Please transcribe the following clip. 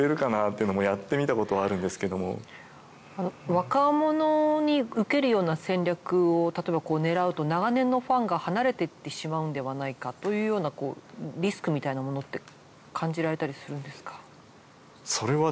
若者にうけるような戦略を例えばこう狙うと長年のファンが離れていってしまうんではないかというようなリスクみたいなものって感じられたりするんですか？